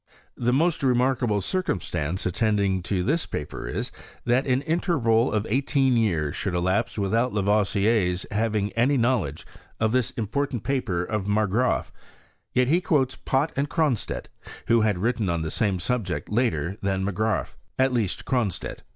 The most remarkable circumstance attending this paper is, that an interval of eighteen years should elapse without Lavoisier's having any knowledge of this important paper of Margraaf; yet he quotes Pott and Cronstedt, who had written on the same subject later than Margraaf, at least Cron stedt.